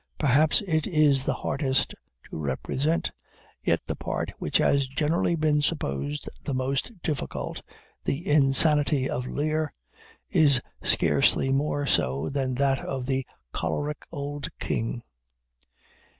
Perhaps it is the hardest to represent. Yet the part which has generally been supposed the most difficult, the insanity of Lear, is scarcely more so than that of the choleric old king.